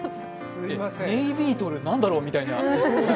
ネイビードル何だろうみたいな。